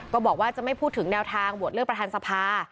ก็บอกว่าจะไม่พูดถึงแนวทางโหวตเลือกประธานสภา